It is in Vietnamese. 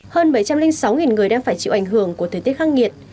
hơn bảy trăm linh sáu người đang phải chịu ảnh hưởng của thời tiết khắc nghiệt